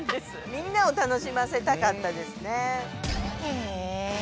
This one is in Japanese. みんなをたのしませたかったですね。